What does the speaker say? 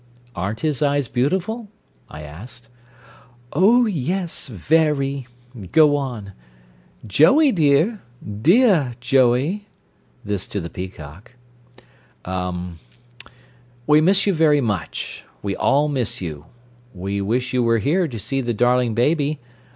"Aren't his eyes beautiful?" I asked. "Oh yes very! Go on! Joey dear, dee urr Joey!" this to the peacock. " Er 'We miss you very much. We all miss you. We wish you were here to see the darling baby.